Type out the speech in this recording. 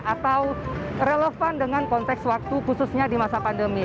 atau relevan dengan konteks waktu khususnya di masa pandemi